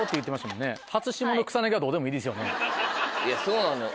いやそうなのよ。